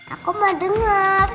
aku mau dengar